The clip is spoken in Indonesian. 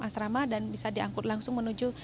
asrama dan bisa diangkut langsung menuju